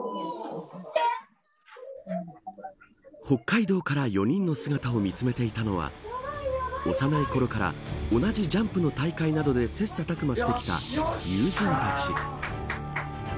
北海道から４人の姿を見つめていたのは幼いころから同じジャンプの大会などで切磋琢磨してきた友人たち。